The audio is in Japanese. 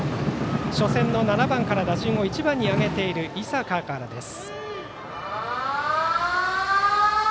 初戦の７番から打順を１番に上げている井坂からです。